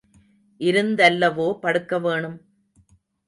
இருந்தல்லவோ படுக்க வேணும்?